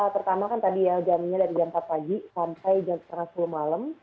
pertama kan tadi ya jamnya dari jam empat pagi sampai jam setengah sepuluh malam